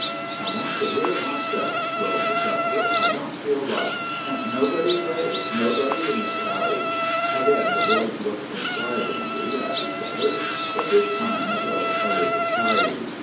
"I want to hear it myself," groaned the sufferer; "I don't feel right; can't nobody pray nobody in the crowd?" Again the boys looked inquiringly at each other, but this time it was a little shyly.